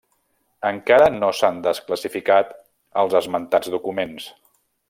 Encara no s'han desclassificat els esmentats documents.